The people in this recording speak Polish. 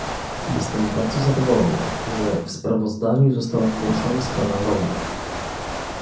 Jestem bardzo zadowolona, że w sprawozdaniu została poruszona sprawa Romów